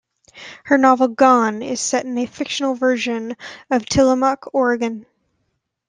Her novel "Gone" is set in a fictionalized version of Tillamook, Oregon.